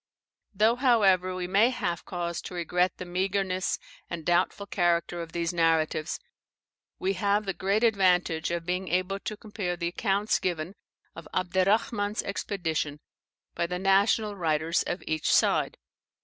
Though, however, we may have cause to regret the meagreness and doubtful character of these narratives, we have the great advantage of being able to compare the accounts given of Abderrahman's expedition by the national writers of each side.